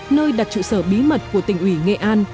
nơi đặt trụ sở bí mật của tỉnh ủy nghệ an